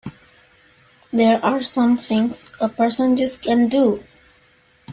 There are some things a person just can't do!